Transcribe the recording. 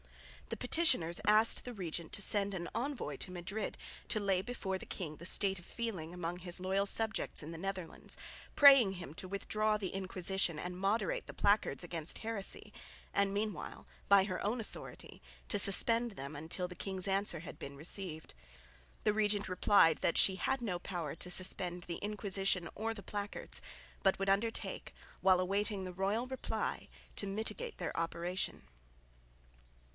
The petitioners asked the regent to send an envoy to Madrid to lay before the king the state of feeling among his loyal subjects in the Netherlands, praying him to withdraw the Inquisition and moderate the placards against heresy, and meanwhile by her own authority to suspend them until the king's answer had been received. The regent replied that she had no power to suspend the Inquisition or the placards, but would undertake, while awaiting the royal reply, to mitigate their operation.